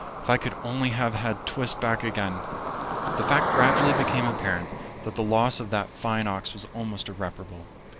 If I could only have had Twist back again! The fact gradually became apparent that the loss of that fine ox was almost irreparable.